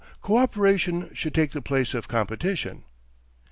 Coöperation should take the place of competition.